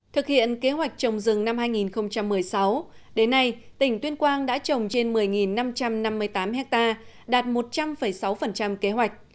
thực hiện kế hoạch trồng rừng năm hai nghìn một mươi sáu đến nay tỉnh tuyên quang đã trồng trên một mươi năm trăm năm mươi tám ha đạt một trăm linh sáu kế hoạch